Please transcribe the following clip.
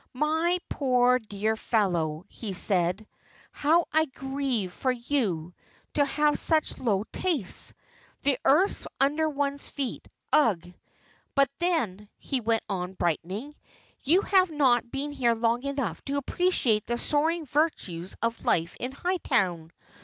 "My poor, dear fellow," he said. "How I grieve for you to have such low tastes. The earth under one's feet ugh! But then," he went on, brightening, "you have not been here long enough to appreciate the soaring virtues of life in Hightown.